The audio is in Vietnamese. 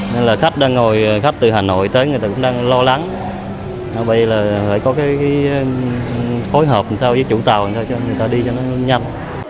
nên là khách đang ngồi khách từ hà nội tới người ta cũng đang lo lắng vậy là phải có cái hối hợp làm sao với chủ tàu làm sao cho người ta đi cho nó nhanh